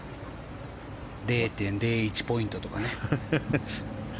０．０１ポイントとかね。